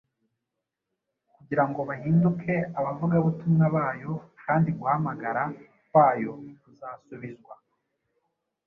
kugira ngo bahinduke abavugabutumwa bayo kandi guhamagara kwayo kuzasubizwa.